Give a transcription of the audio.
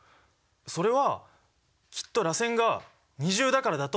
それはきっとらせんが二重だからだと思います。